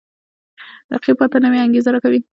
رقیب ما ته نوی انگیزه راکوي